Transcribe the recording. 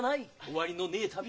終わりのねえ旅。